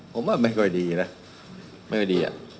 ผมว่าไม่ค่อยดีนะ